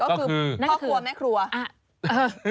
ก็คือพ่อครัวแม่ครัว